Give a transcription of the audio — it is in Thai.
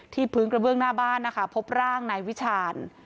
พื้นกระเบื้องหน้าบ้านนะคะพบร่างนายวิชาญ